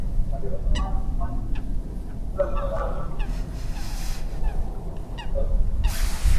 It reformatted Hound in the form of an Earth Jeep.